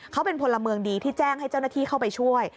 เขาเป็นพลเมืองดีที่แจ้งให้เจ้าหน้าที่เข้าไปช่วย